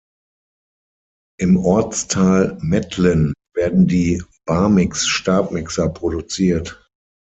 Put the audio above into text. Im Ortsteil Mettlen werden die "Bamix"-Stabmixer produziert.